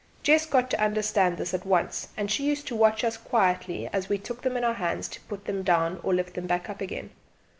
Jess got to understand this at once, and she used to watch us quite quietly as we took them in our hands to put them down or lift them back again.